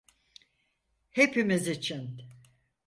Hepimiz için.